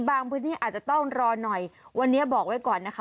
พื้นที่อาจจะต้องรอหน่อยวันนี้บอกไว้ก่อนนะคะ